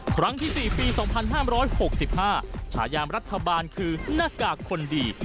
ครั้งที่๔ปี๒๕๖๕ฉายามรัฐบาลคือหน้ากากคนดี